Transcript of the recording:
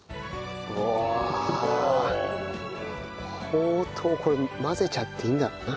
ほうとうこれ混ぜちゃっていいんだろうな。